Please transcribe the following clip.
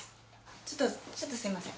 ちょっとちょっとすみません。